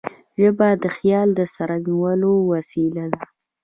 ژبه د خیال د څرګندولو وسیله ده.